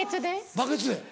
バケツで。